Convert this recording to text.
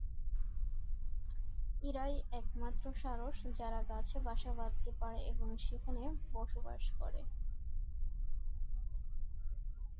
এরাই একমাত্র সারস যারা গাছে বাসা বাঁধতে পারে এবং সেখানে বসবাস করে।